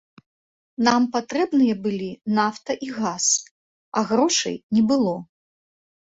Нам патрэбныя былі нафта і газ, а грошай не было.